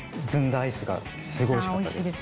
アイスがすごいおいしかったです